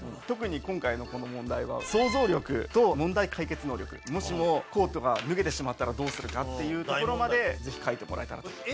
特に今回のこの問題は想像力と問題解決能力もしもコートが脱げてしまったらどうするかっていうところまでぜひ描いてもらえたらと。